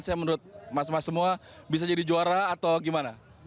saya menurut mas mas semua bisa jadi juara atau gimana